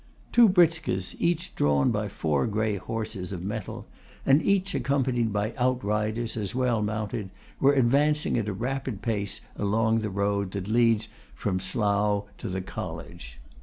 Two britskas, each drawn by four grey horses of mettle, and each accompanied by outriders as well mounted, were advancing at a rapid pace along the road that leads from Slough to the College.